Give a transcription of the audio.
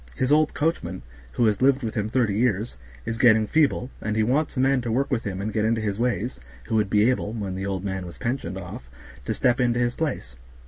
His old coachman, who has lived with him thirty years, is getting feeble, and he wants a man to work with him and get into his ways, who would be able, when the old man was pensioned off, to step into his place.